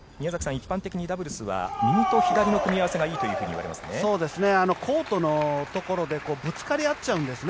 一般的にダブルスは右と左の組み合わせがいいといわれますね。